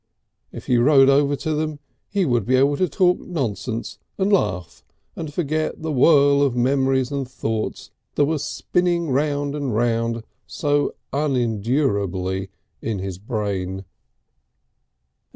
If he rode over to them he would be able to talk nonsense and laugh and forget the whirl of memories and thoughts that was spinning round and round so unendurably in his brain.